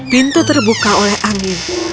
pintu terbuka oleh angin